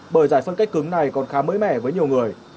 bởi giải phân cách cứng này còn khá mới mẻ với nhiều người